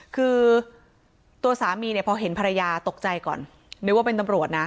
คือตัวสามีเนี่ยพอเห็นภรรยาตกใจก่อนนึกว่าเป็นตำรวจนะ